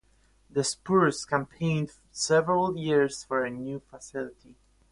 The Spurs campaigned for several years for a new facility.